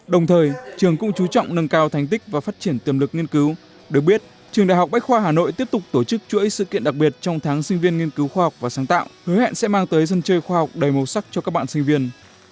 đồng thời trường cũng chú trọng nâng cao thành tích và phát triển tiềm lực nghiên cứu được biết trường đại học bách khoa hà nội tiếp tục tổ chức chuỗi sự kiện đặc biệt trong tháng sinh viên nghiên cứu khoa học và sáng tạo hứa hẹn sẽ mang tới dân chơi khoa học đầy màu sắc cho các bạn sinh viên